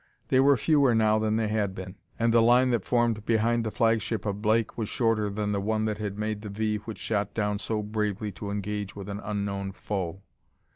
They were fewer now than they had been, and the line that formed behind the flagship of Blake was shorter than the one that had made the V which shot down so bravely to engage with an unknown foe.